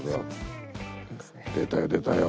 出たよ出たよ。